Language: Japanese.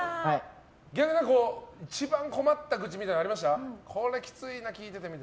一番困った愚痴みたいなのありました？